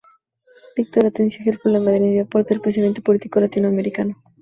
Víctor Atencio G. El Problema del Indio: Aporte del Pensamiento político Latinoamericano.